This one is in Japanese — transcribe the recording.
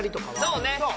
そうね